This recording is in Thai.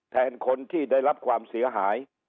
แทนคนที่ได้รับความเสียหาย